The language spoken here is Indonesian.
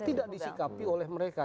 tidak disikapi oleh mereka